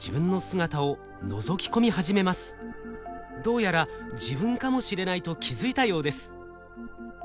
どうやら自分かもしれないと気付いたようです。